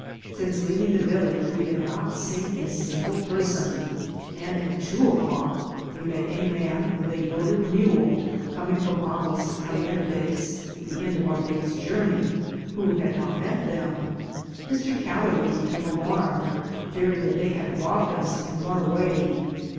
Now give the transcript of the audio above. Since leaving the village we had not seen a single person, and at two o'clock we met a* man with a loaded mule coming from Aguas Calientes, the end of our day's journey, who had not met them. Mr. Catherwood became alarmed, fearing that they had robbed us and run away.